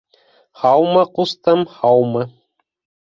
Һаумы, ҡустым, һаумы!